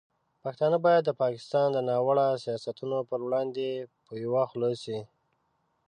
پښتانه باید د پاکستان د ناوړه سیاستونو پر وړاندې په یوه خوله شي.